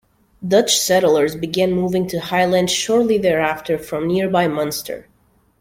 Dutch settlers began moving to Highland shortly thereafter from nearby Munster.